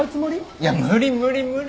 いや無理無理無理。